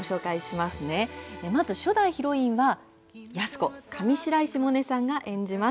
まず初代ヒロインは、安子、上白石萌音さんが演じます。